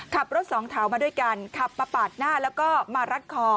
ขับรถสองแถวมาด้วยกันขับมาปาดหน้าแล้วก็มารัดคอ